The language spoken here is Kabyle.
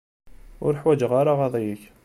Ur ḥwaǧeɣ ara aɣaḍi-ik.